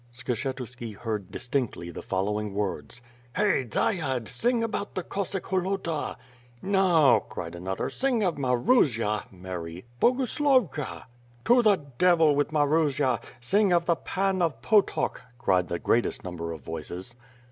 Skshetuski heard distinctly the following words: "Hey, dziad, sing about the Cossack Ilolota." *'No," cried another, "sing of Marusia (Mary) Boguslavka.*^ "To the devil with Marusia! Sing of the pan of Potock," cried the greatest number of voices.